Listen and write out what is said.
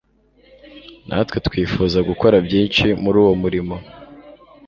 natwe twifuza gukora byinshi muri uwo murimo